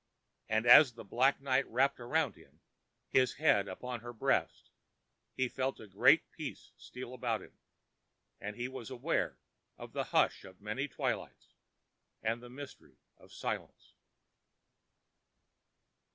And as black night wrapped around him, his head upon her breast, he felt a great peace steal about him, and he was aware of the hush of many twilights and the mystery of silence.